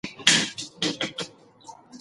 انګریزانو په څلورمه ماده کي خپل کنټرول زیات کړ.